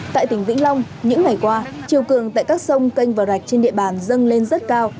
tại tỉnh vĩnh long những ngày qua chiều cường tại các sông kênh và rạch trên địa bàn dâng lên rất cao